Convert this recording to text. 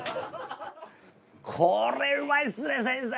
これうまいっすね先生！